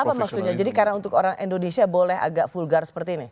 apa maksudnya jadi karena untuk orang indonesia boleh agak vulgar seperti ini